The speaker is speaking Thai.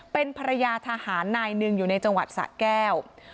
เป็นภรรยาทหารนายหนึ่งอยู่ในจังหวัดสะแก้ว